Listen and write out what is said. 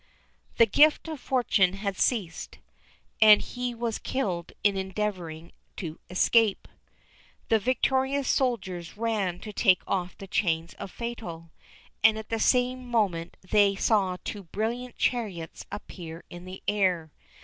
The gift of Fortuné had ceased, and he was killed in endeavouring to escape. The victorious soldiers ran to take off the chains of Fatal, and at the same moment they saw two brilliant chariots appear in the air.